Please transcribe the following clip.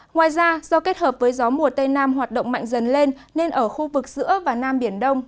ngoài ra do kết hợp với gió mùa tây nam hoạt động mạnh dần lên nên ở khu vực giữa và nam biển đông